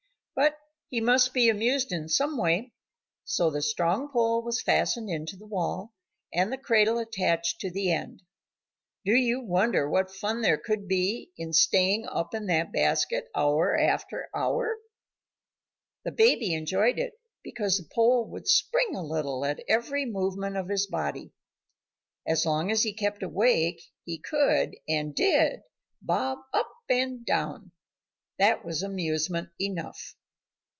But he must be amused in some way. So the strong pole was fastened into the wall, and the cradle attached to the end. Do you wonder what fun there could be in staying up in that basket, hour after hour? The baby enjoyed it because the pole would spring a little at every movement of his body. As long as he kept awake, he could, and did, bob up and down. That was amusement enough.